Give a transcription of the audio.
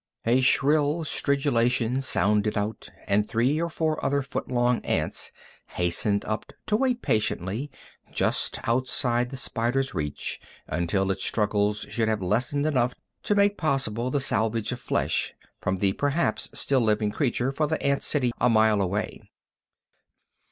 A shrill stridulation sounded out, and three or four other foot long ants hastened up to wait patiently just outside the spider's reach until its struggles should have lessened enough to make possible the salvage of flesh from the perhaps still living creature for the ant city a mile away.